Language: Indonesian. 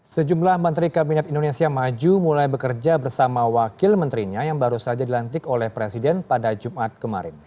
sejumlah menteri kabinet indonesia maju mulai bekerja bersama wakil menterinya yang baru saja dilantik oleh presiden pada jumat kemarin